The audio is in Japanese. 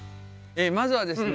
まずはですね